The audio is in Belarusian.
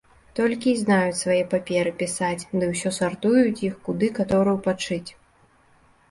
Толькі й знаюць свае паперы пісаць ды ўсё сартуюць іх, куды каторую падшыць.